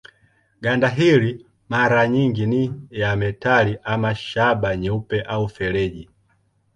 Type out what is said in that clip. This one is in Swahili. Ganda hili mara nyingi ni ya metali ama shaba nyeupe au feleji.